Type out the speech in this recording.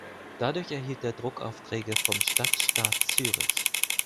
Dadurch erhielt er Druckaufträge vom Stadtstaat Zürich.